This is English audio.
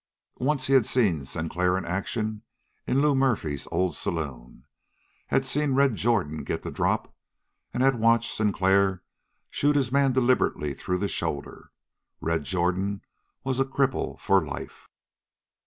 Once he had seen Sinclair in action in Lew Murphy's old saloon, had seen Red Jordan get the drop, and had watched Sinclair shoot his man deliberately through the shoulder. Red Jordan was a cripple for life.